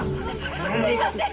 すいません！